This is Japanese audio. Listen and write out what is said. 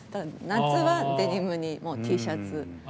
夏はデニムにＴシャツ。